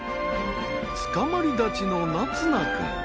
つかまり立ちの凪維君。